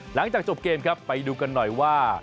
หลังจากจบเกมครับไปดูกันหน่อยว่า